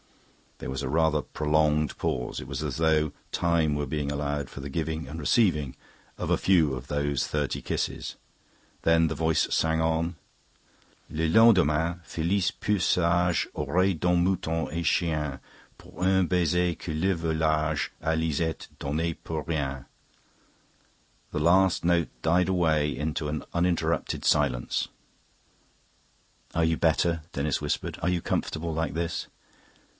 There was a rather prolonged pause. It was as though time were being allowed for the giving and receiving of a few of those thirty kisses. Then the voice sang on: "Le lendemain Phillis peu sage Aurait donne moutons et chien Pour un baiser que le volage À Lisette donnait pour rien." The last note died away into an uninterrupted silence. "Are you better?" Denis whispered. "Are you comfortable like this?"